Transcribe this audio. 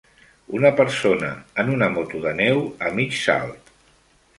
Una persona en una moto de neu a mig salt.